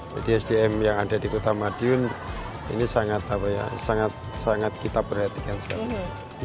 jadi sdm yang ada di kota madiun ini sangat apa ya sangat sangat kita perhatikan sekali